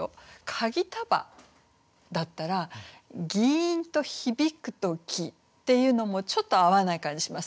鍵束だったら「ぎいんとひびくとき」っていうのもちょっと合わない感じしませんか？